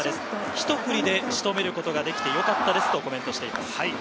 ひと振りで仕留めることができてよかったですとコメントしています。